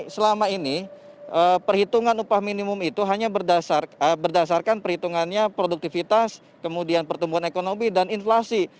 sehingga kemudian pertumbuhan ekonomi dan inflasi